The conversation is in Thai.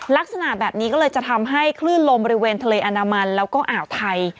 ลักษณะแบบนี้ก็เลยจะทำให้คลื่นลมบริเวณทะเลอันดามันแล้วก็อ่าวไทย